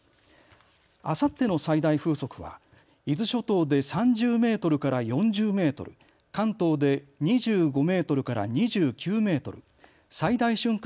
あさっての最大風速は伊豆諸島で３０メートルから４０メートル、関東で２５メートルから２９メートル、最大瞬間